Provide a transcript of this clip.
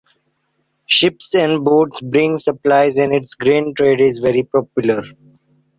Ships and boats bring supplies and its grain trade is very popular.